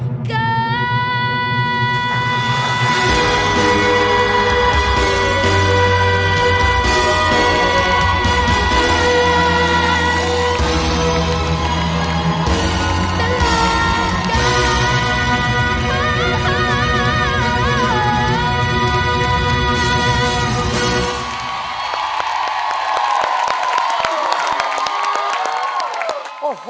แน่แน่รู้เหรอ